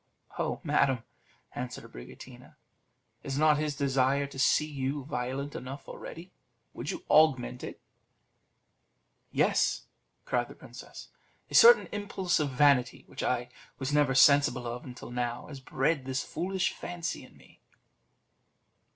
"Oh, madam," answered Abricotina, "is not his desire to see you violent enough already; would you augment it?" "Yes," cried the princess; "a certain impulse of vanity, which I was never sensible of till now, has bred this foolish fancy in me."